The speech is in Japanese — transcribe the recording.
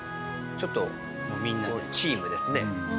ちょっとみんなでチームですね。